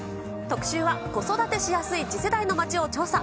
特集は子育てしやすい次世代の街を調査。